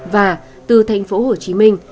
và từ thành phố hồ chí minh